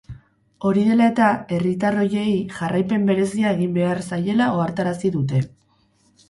Hori dela eta, herritar horiei jarraipen berezia egin behar zaiela ohartarazi dute.